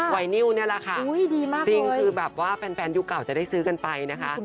ค่ะอุ้ยดีมากเลยวันนี้ล่ะค่ะจริงคือแบบว่าแฟนยุคเก่าจะได้ซื้อกันไปนะคะ